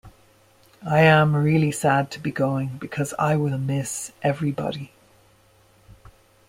I am really sad to be going because I will miss everybody.